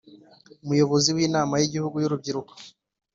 Umuyobozi w Inama y Igihugu y Urubyiruko.